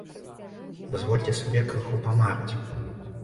Дазвольце сабе крыху памарыць.